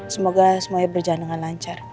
semoga semuanya berjalan dengan lancar